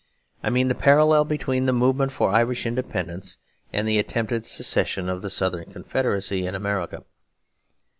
I mean the parallel between the movement for Irish independence and the attempted secession of the Southern Confederacy in America.